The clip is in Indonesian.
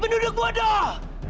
jangan duduk bodoh